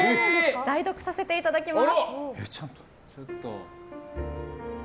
代読させていただきます。